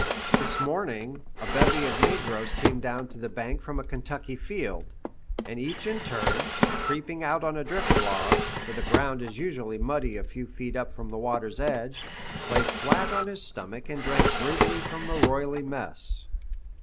This morning, a bevy of negroes came down the bank from a Kentucky field; and each in turn, creeping out on a drift log, for the ground is usually muddy a few feet up from the water's edge, lay flat on his stomach and drank greedily from the roily mess.